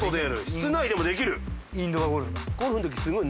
室内でもできる。